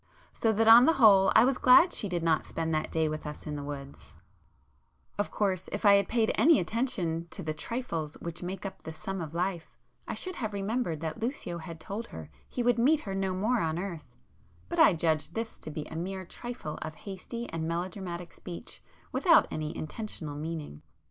So that on the whole I was glad she did not spend that day with us in the woods;—of course, if I had paid any attention to the "trifles which make up the sum of life" I should have remembered [p 358] that Lucio had told her he would "meet her no more on earth,"—but I judged this to be a mere trifle of hasty and melodramatic speech, without any intentional meaning.